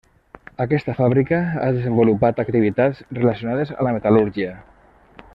Aquesta fàbrica ha desenvolupat activitats relacionades amb la metal·lúrgia.